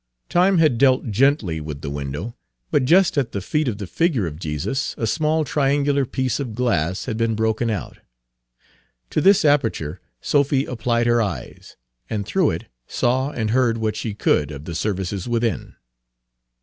Time had dealt gently with the window, but just at the feet of the figure of Jesus a small triangular piece of glass had been broken out. To this aperture Sophy applied her eyes, and through it saw and heard what she could of the services within.